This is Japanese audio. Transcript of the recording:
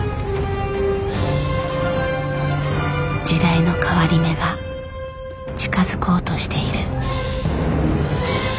時代の変わり目が近づこうとしている。